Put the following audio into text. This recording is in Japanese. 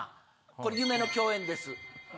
これ夢の共演です。